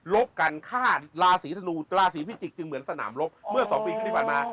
ลบกันฆ่าราศีธนูราศีพิจิกจึงเหมือนสนามลบเมื่อสองปีขัดดิบันมา